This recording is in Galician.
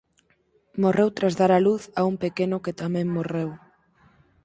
Morreu tras dar a luz a un pequeno que tamén morreu.